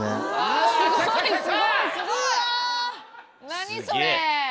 何それ！